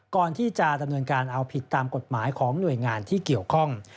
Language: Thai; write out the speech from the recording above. ก่อนที่จะดำเนินการเอาผิดตามกฎหมายของหน่วยงานที่เกี่ยวข้อง